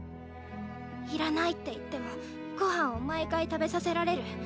いらないって言ってもご飯を毎回食べさせられる。